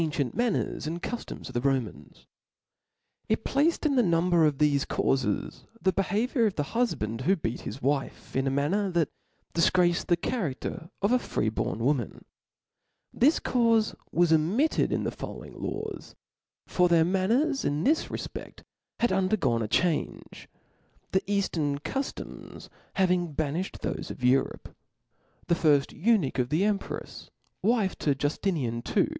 cicnt manners (") and cuftoms of the Romans. It e)Andtiie x)laced in the number of thcfe caufes the behaviour ^^^J^^^^JjJ^^^ of the hufband * who beat his wife, in a manner See cicc^ that difgraced the character of a freebom woman, phfiippic. This caufe was omitted in the following laws {^) :{^)\tk for their manners, in this refpedl, had undergone ^°j^'"^* a change ; the eaftern cuftoms having banifhed thofe of Europe. The firft eunuch of the emprefs, wife to Juftinian II.